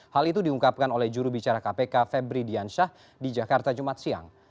hal itu diungkapkan oleh jurubicara kpk febri diansyah di jakarta jumat siang